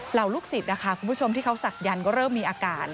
เหล่าลูกศิษย์นะคะคุณผู้ชมที่เขาศักยันต์ก็เริ่มมีอาการ